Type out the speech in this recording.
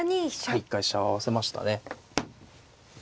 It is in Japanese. はい一回飛車を合わせましたね。